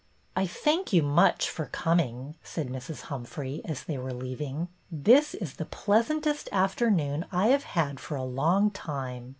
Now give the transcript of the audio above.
" I thank you much for coming," said Mrs. Humphrey, as they were leaving. " This is the pleasantest afternoon I have had for a long time.